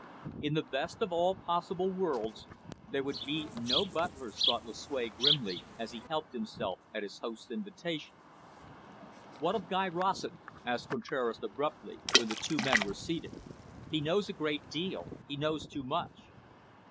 In the best of all possible worlds there would be no butlers thought Lucue grimly, as he helped himself at his host's invitation. "What of Guy Rossett?" asked Contraras abruptly, when the two men were seated. "He knows a great deal. He knows too much."